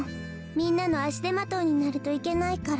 みんなのあしでまといになるといけないから。